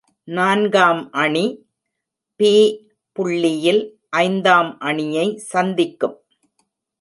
நான்காம் அணி, பி புள்ளியில் ஐந்தாம் அணியை சந்திக்கும்.